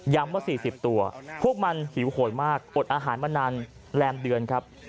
ว่า๔๐ตัวพวกมันหิวโหยมากอดอาหารมานานแรมเดือนครับ